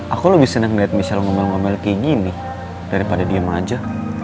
aku lebih seneng liat michelle ngomel ngomel kayak gini daripada diem aja